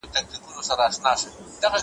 د اغزیو په کاله کي خپل ملیار په سترګو وینم ,